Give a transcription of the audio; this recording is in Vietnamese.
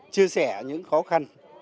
chia sẻ những khó khăn